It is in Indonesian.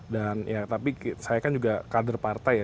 dan ya tapi saya kan juga kader partai ya